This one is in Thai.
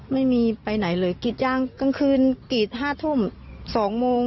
ไม่มีไปไหนเลยกรีดยางกลางคืนกรีด๕ทุ่ม๒โมง